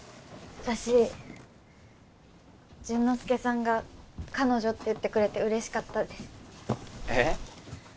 私潤之介さんが彼女って言ってくれて嬉しかったですえっ？